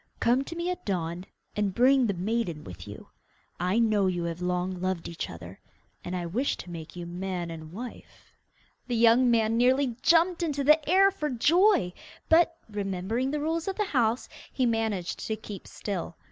Come to me at dawn and bring the maiden with you. I know you have long loved each other, and I wish to make you man and wife.' The young man nearly jumped into the air for joy, but, remembering the rules of the house, he managed to keep still.